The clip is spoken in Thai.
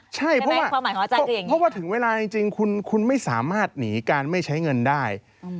ใช่เพราะว่าถึงเวลาจริงคุณไม่สามารถหนีการไม่ใช้เงินได้